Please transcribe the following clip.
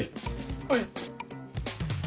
はい。